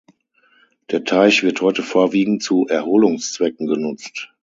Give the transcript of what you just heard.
Der Teich wird heute vorwiegend zu Erholungszwecken genutzt.